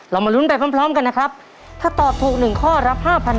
มาลุ้นไปพร้อมพร้อมกันนะครับถ้าตอบถูกหนึ่งข้อรับ๕๐๐บาท